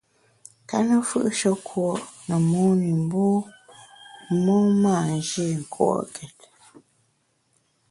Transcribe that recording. Nkéne mfù’she kùo’ ne mon i, bu mon mâ nji nkùo’ket.